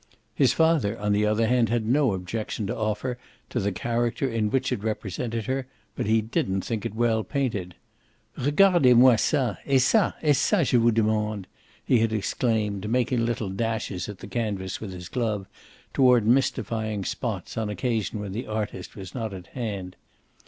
His father on the other hand had no objection to offer to the character in which it represented her, but he didn't think it well painted. "Regardez moi ca, et ca, et ca, je vous demande!" he had exclaimed, making little dashes at the canvas with his glove, toward mystifying spots, on occasions when the artist was not at hand.